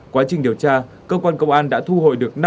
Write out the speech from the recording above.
quá trình điều tra cơ quan công an đã thu hồi được